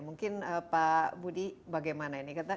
mungkin pak budi bagaimana ini